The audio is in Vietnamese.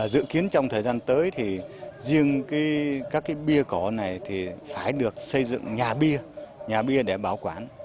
dự kiến trong thời gian tới thì riêng các bia cỏ này thì phải được xây dựng nhà bia nhà bia để bảo quản